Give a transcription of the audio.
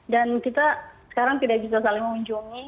dan kita sekarang tidak bisa saling mengunjungi